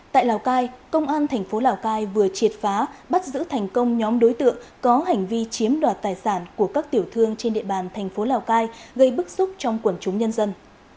tại lào cai công an thành phố lào cai vừa triệt phá bắt giữ thành công nhóm đối tượng có hành vi chiếm đoạt tài sản của các tiểu thương trên địa bàn thành phố lào cai gây bức xúc trong quần chúng nhân dân